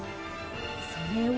それは。